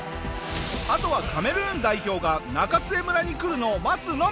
あとはカメルーン代表が中津江村に来るのを待つのみ！